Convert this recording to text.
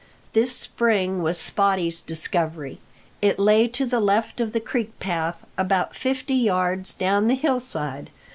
This spring was Spottie's discovery. It lay to the left of the creek path, about fifty yards down the hillside.